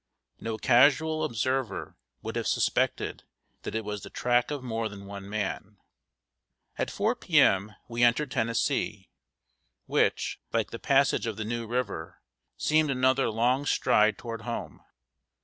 No casual observer would have suspected that it was the track of more than one man. At 4 P.M., we entered Tennessee, which, like the passage of the New River, seemed another long stride toward home.